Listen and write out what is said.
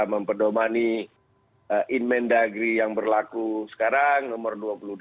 memperdomani inmendagri yang berlaku sekarang nomor dua puluh dua